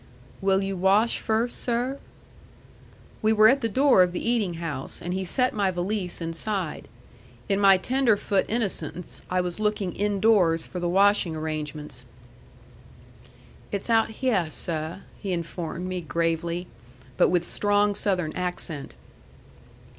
"Will you wash first, sir?" We were at the door of the eating house, and he set my valise inside. In my tenderfoot innocence I was looking indoors for the washing arrangements. "It's out hyeh, seh," he informed me gravely, but with strong Southern accent.